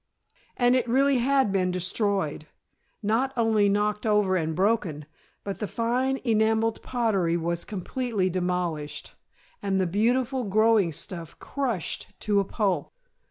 And it had really been destroyed; not only knocked over and broken, but the fine enameled pottery was completely demolished, and the beautiful growing stuff crushed to a pulp!